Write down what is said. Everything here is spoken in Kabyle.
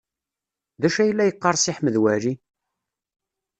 D acu ay la yeqqar Si Ḥmed Waɛli?